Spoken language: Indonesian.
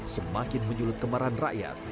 semakin menyulut kemarahan rakyat